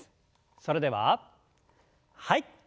それでははい。